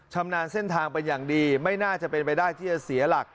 ชำนาญเส้นทางเป็นอย่างดีไม่น่าจะเป็นไปได้ที่จะเสียหลัก